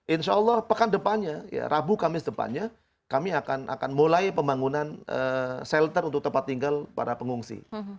insya allah pekan depannya ya rabu kamis depannya kami akan mulai pembangunan shelter untuk tempat tinggal para pengungsi